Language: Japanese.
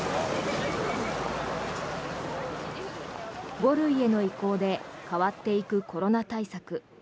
５類への移行で変わっていくコロナ対策。